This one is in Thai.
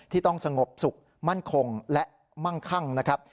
ต้องสงบสุขมั่นคงและมั่งคั่งนะครับ